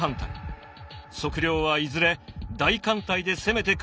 測量はいずれ大艦隊で攻めてくるためだと力説。